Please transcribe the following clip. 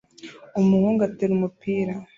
Umuhungu atera umupira